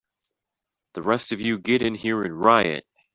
The rest of you get in here and riot!